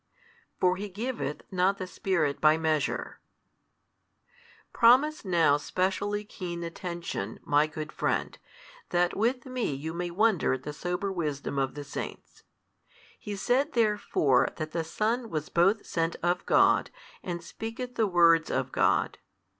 For He giveth not the Spirit by measure. Promise now specially keen attention, my good friend, that with me you may wonder at the sober wisdom of the Saints. He said therefore that the Son was both sent of God, and speaketh the words of God.